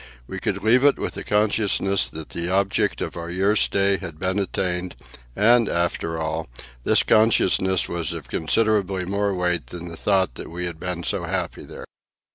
We could leave it with the consciousness that the object of our year's stay had been attained, and, after all, this consciousness was of considerably more weight than the thought that we had been so happy there.